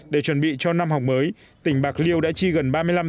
để chuẩn bị cho năm học mới tỉnh bạc liêu đã chi gần ba mươi năm trường